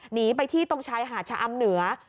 หนีไปที่ตรงชายหาดชะอำเหนือ